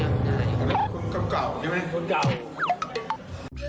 คุณเก่าใช่ไหม